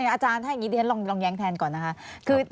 อาจารย์ถ้าอย่างนี้เดี๋ยวฉันลองแย้งแทนก่อนนะคะ